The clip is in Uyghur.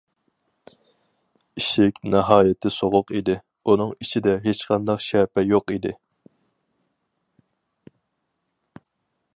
ئىشىك ناھايىتى سوغۇق ئىدى، ئۇنىڭ ئىچىدە ھېچقانداق شەپە يوق ئىدى.